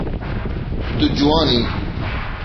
Tu ciwan î.